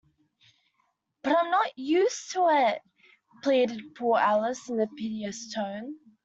‘But I’m not used to it!’ pleaded poor Alice in a piteous tone.